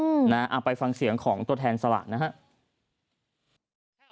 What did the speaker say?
เอาไปฟังเสียงของตัวแทนสลากนะฮะ